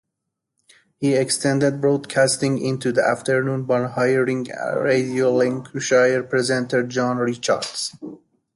He extended broadcasting into the afternoon by hiring Radio Lincolnshire presenter, John Richards.